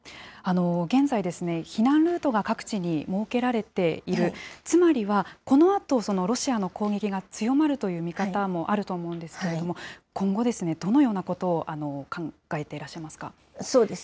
現在、避難ルートが各地に設けられている、つまりはこのあと、ロシアの攻撃が強まるという見方もあると思うんですけれども、今後、どのようなことを考えていらっしゃいますか。